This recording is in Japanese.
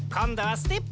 ステップ！